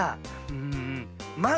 うん。